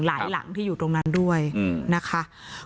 หลังที่อยู่ตรงนั้นด้วยนะคะ